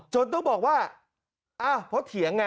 ต้องบอกว่าอ้าวเพราะเถียงไง